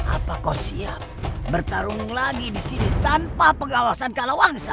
apa kau siap bertarung lagi disini tanpa pengawasan kalau wangsa